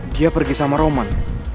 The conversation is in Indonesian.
dia pergi sama roman